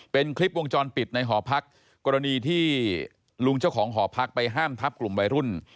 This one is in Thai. เป็นคลิปวงจรปิดในหอพักกรณีที่ลุงเจ้าของหอพักไปห้ามทับกลุ่มวัยรุ่น